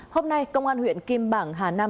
hôm nay công an huyện kim bảng hà nam